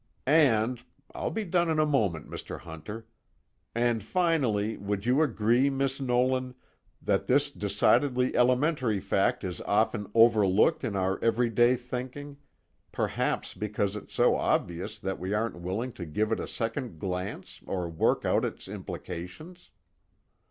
"And I'll be done in a moment, Mr. Hunter and finally, would you agree, Miss Nolan, that this decidedly elementary fact is often overlooked in our everyday thinking, perhaps because it's so obvious that we aren't willing to give it a second glance or work out its implications?"